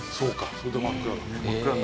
それで真っ暗。